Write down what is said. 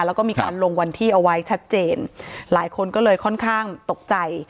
แล้วก็มีการลงวันที่เอาไว้ชัดเจนหลายคนก็เลยค่อนข้างตกใจ